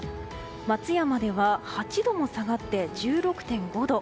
松山では８度も下がって１６．５度。